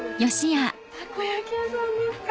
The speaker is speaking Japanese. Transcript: たこ焼き屋さんですか？